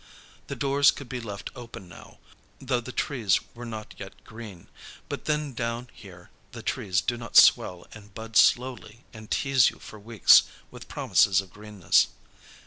The doors could be left open now, though the trees were not yet green; but then down here the trees do not swell and bud slowly and tease you for weeks with promises of greenness.